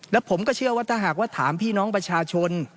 แล้วผมก็เชื่อว่าถ้าหากว่าถามพี่น้องประชาชน